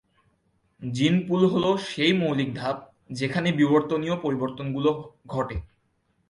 জিন পুল হলো সেই মৌলিক ধাপ, যেখানে বিবর্তনীয় পরিবর্তন গুলো ঘটে।